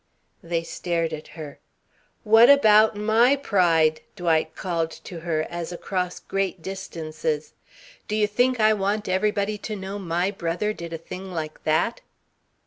They stared at her. "What about my pride?" Dwight called to her, as across great distances. "Do you think I want everybody to know my brother did a thing like that?"